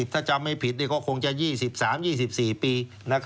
ถ้าจำไม่ผิดก็คงจะ๒๓๒๔ปี